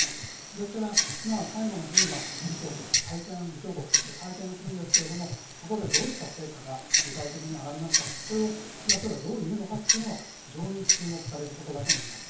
ですから最後の日に議長国として会見するんですけれども、そこでどういった成果が具体的にあがりました、これを岸田総理がどういうのかというのが非常に注目されると思います。